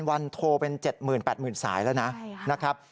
วันโทรเป็น๗๘๐๐๐สายแล้วนะครับ